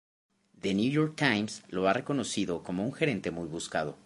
The New York Times lo ha reconocido como un gerente muy buscado.